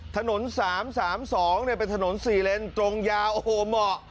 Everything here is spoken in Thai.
ถนน๓๓๒เป็นถนน๔เลนตรงยาวโอ้โหเหมาะ